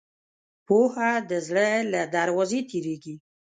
پوهه د زړه له دروازې تېرېږي.